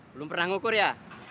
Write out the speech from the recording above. belum pernah ngukur ya